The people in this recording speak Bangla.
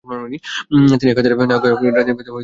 তিনি একাধারে নায়ক, গায়ক, রাজনীতিবিদ ও কলামিস্ট।